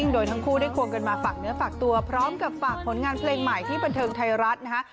โดยทั้งคู่ได้ควงกันมาฝากเนื้อฝากตัวพร้อมกับฝากผลงานเพลงใหม่ที่บันเทิงไทยรัฐนะฮะ